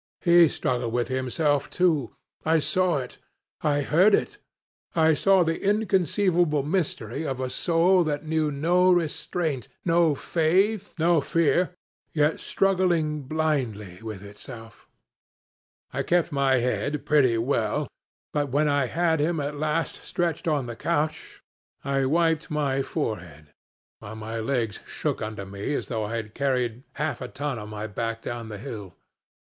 He struggled with himself, too. I saw it, I heard it. I saw the inconceivable mystery of a soul that knew no restraint, no faith, and no fear, yet struggling blindly with itself. I kept my head pretty well; but when I had him at last stretched on the couch, I wiped my forehead, while my legs shook under me as though I had carried half a ton on my back down that hill.